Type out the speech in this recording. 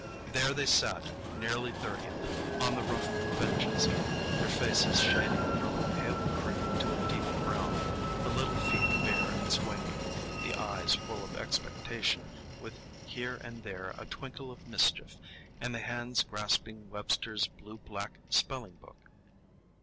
There they sat, nearly thirty of them, on the rough benches, their faces shading from a pale cream to a deep brown, the little feet bare and swinging, the eyes full of expectation, with here and there a twinkle of mischief, and the hands grasping Webster's blue black spelling book.